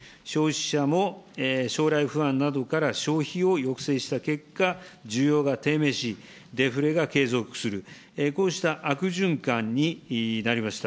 この間、企業は賃金を抑制し、消費者も将来不安などから消費を抑制した結果、需要が低迷し、デフレが継続する、こうした悪循環になりました。